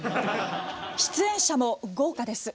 出演者も豪華です。